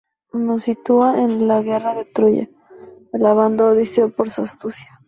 Nos sitúa en la guerra de Troya, alabando a Odiseo por su astucia.